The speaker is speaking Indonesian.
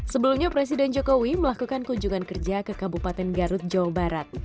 sebelumnya presiden jokowi melakukan kunjungan kerja ke kabupaten garut jawa barat